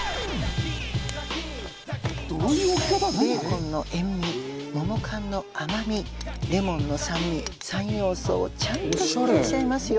ベーコンの塩味桃缶の甘みレモンの酸味三要素をちゃんと知ってらっしゃいますよ。